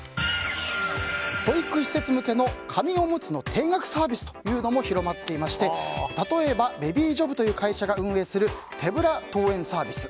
保育施設向けの紙おむつの定額サービスも広まっていまして例えばＢＡＢＹＪＯＢという会社が運営する手ぶら登園サービス。